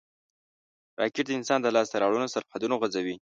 راکټ د انسان د لاسته راوړنو سرحدونه غځوي